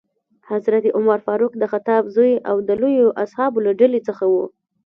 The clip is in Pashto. حضرت عمر فاروق د خطاب زوی او لویو اصحابو له ډلې څخه ؤ.